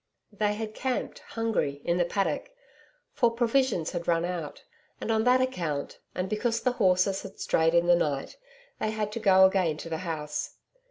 They had camped, hungry, in the paddock for provisions had run out, and on that account, and because the horses had strayed in the night, they had to go again to the house.